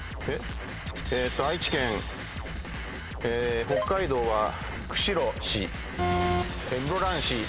え北海道は釧路市。